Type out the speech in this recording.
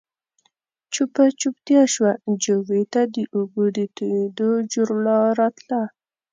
چوپه چوپتيا شوه، جووې ته د اوبو د تويېدو جورړا راتله.